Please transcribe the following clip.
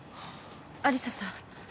有沙さん。